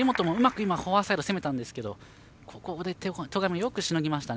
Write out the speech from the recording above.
今フォアサイド攻めたんですけどここで戸上、よくしのぎましたね。